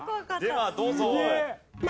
ではどうぞ。